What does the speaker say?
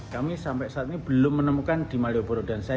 kami sampai saat ini belum menemukan di malioboro